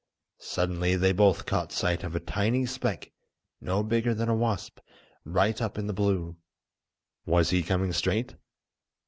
Suddenly they both caught sight of a tiny speck no bigger than a wasp, right up in the blue. Was he coming straight?